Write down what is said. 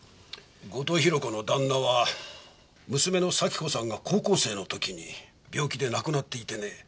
後藤宏子の旦那は娘の咲子さんが高校生の時に病気で亡くなっていてね。